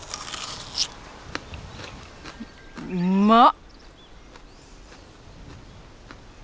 うまっ！